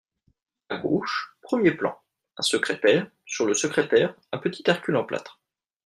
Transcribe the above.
À gauche, premier plan, un secrétaire, sur le secrétaire un petit Hercule en plâtre.